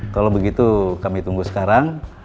kalau begitu kami tunggu sekarang